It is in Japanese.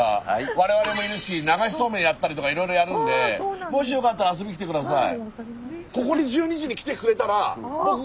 我々もいるし流しそうめんやったりとかいろいろやるんでもしよかったら遊びに来て下さい。